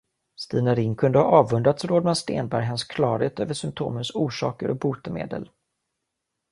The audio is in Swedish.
Stina Ring kunde ha avundats rådman Stenberg hans klarhet över symtomens orsaker och botemedel.